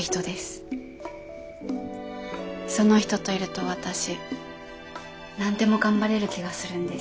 その人といると私何でも頑張れる気がするんです。